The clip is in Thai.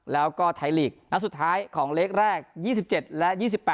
แล้วก็ไทยลีกนัดสุดท้ายของเล็กแรก๒๗และ๒๘